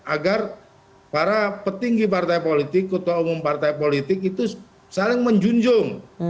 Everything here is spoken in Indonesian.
agar para petinggi partai politik ketua umum partai politik itu saling menjunjung